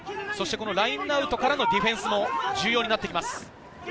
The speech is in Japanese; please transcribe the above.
ラインアウトからのディフェンスも重要になってきます。